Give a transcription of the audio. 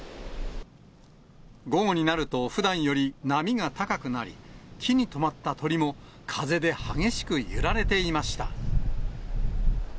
午後になると、ふだんより波が高くなり、木にとまった鳥も、風で激しく揺られていました。